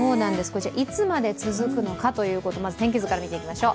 いつまで続くのかというのをまずは天気図から見ていきましょう。